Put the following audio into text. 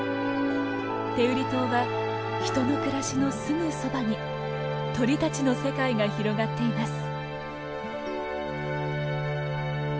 天売島は人の暮らしのすぐそばに鳥たちの世界が広がっています。